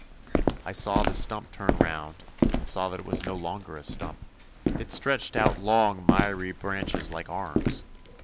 I saw the stump turn round, and saw that it was no longer a stump; it stretched out long miry branches like arms.